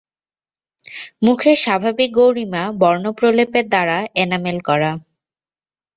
মুখের স্বাভাবিক গৌরিমা বর্ণপ্রলেপের দ্বারা এনামেল-করা।